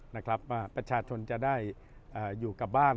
นะครับว่าประชาชนจะได้อยู่กับบ้าน